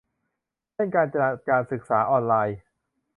เช่นการจัดการศึกษาออนไลน์